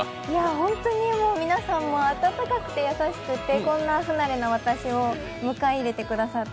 本当に皆さん、温かくて優しくてこんな不慣れな私を迎え入れてくだって